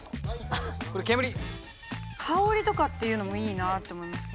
「香」とかっていうのもいいなって思いますね。